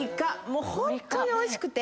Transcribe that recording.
もうホントにおいしくて。